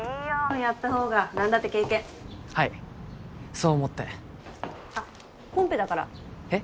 やったほうが何だって経験はいそう思ってあっコンペだからえっ？